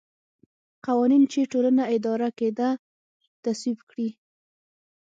قوانین چې ټولنه اداره کېده تصویب کړي.